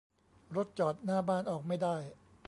รถจอดหน้าบ้าน ออกไม่ได้